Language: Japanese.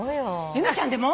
由美ちゃんでも？